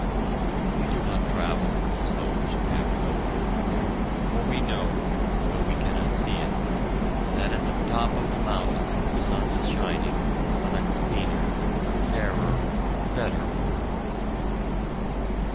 We do not travel as those who have no hope, for we know, though we cannot see it, that at the top of the mountain the sun is shining on a cleaner, fairer, better world.